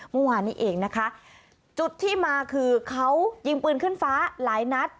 เมื่อวานนี้เองนะคะจุดที่มาคือเขายิงปืนขึ้นฟ้าหลายนัด